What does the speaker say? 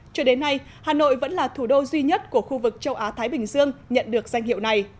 cho đến nay hà nội vẫn là thủ đô duy nhất của khu vực châu á thái bình dương nhận được danh hiệu này